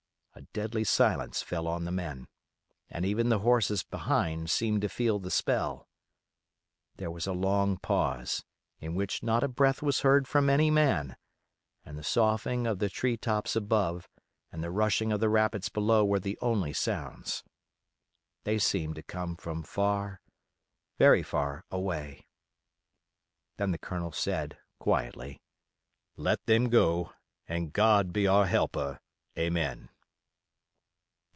A deadly silence fell on the men, and even the horses behind seemed to feel the spell. There was a long pause, in which not a breath was heard from any man, and the soughing of the tree tops above and the rushing of the rapids below were the only sounds. They seemed to come from far, very far away. Then the Colonel said, quietly, "Let them go, and God be our helper, Amen."